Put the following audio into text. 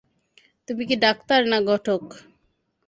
তুমি কি ডাক্তার না ঘটক?